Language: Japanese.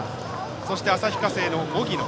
そして、旭化成の荻野。